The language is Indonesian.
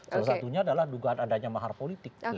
salah satunya adalah dugaan adanya mahar politik